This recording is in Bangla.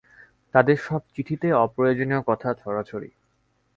তাদের সব চিঠিতেই অপ্রয়োজনীয় কথার ছড়াছড়ি।